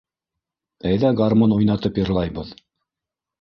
Әйҙә гармун уйнатып йырлайбыҙ.